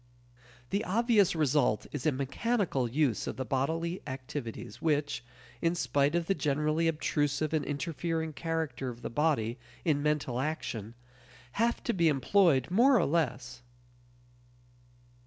The obvious result is a mechanical use of the bodily activities which (in spite of the generally obtrusive and interfering character of the body in mental action) have to be employed more or less.